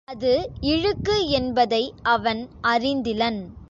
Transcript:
அது இழுக்கு என்பதை அவன் அறிந்திலன்.